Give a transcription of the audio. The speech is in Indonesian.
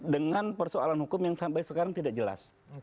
dengan persoalan hukum yang sampai sekarang tidak jelas